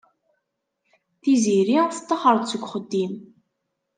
Tiziri tettaxer-d seg uxeddim.